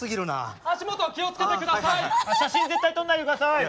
写真絶対撮んないで下さい。